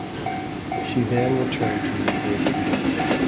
She then returned to the slave trade.